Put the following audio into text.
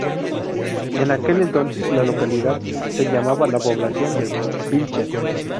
En aquel entonces la localidad se llamaba La Población de Vilches.